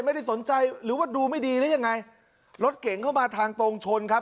ไม่ได้สนใจหรือว่าดูไม่ดีหรือยังไงรถเก่งเข้ามาทางตรงชนครับ